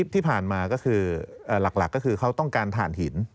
ที่ผ่านมาก็คือหลักก็คือเขาต้องการถ่านหิน